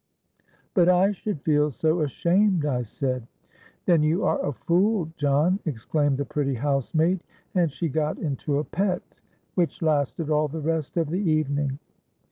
'—'But I should feel so ashamed,' I said.—'Then you are a fool, John,' exclaimed the pretty housemaid; and she got into a pet, which lasted all the rest of the evening.